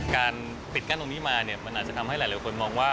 การปิดกั้นตรงนี้มาเนี่ยมันอาจจะทำให้หลายคนมองว่า